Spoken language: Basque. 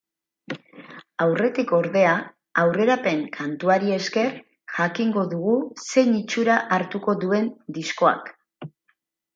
Aurretik, ordea, aurrerapen kantuari esker jakingo dugu zein itxura hartuko duendiskoak.